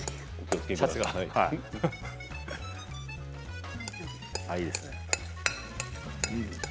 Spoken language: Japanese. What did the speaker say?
あいいですね。